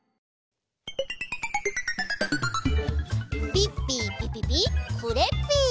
ピッピーピピピクレッピー！